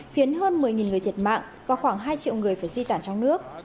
khiến hơn một mươi người thiệt mạng và khoảng hai triệu người phải di tản trong nước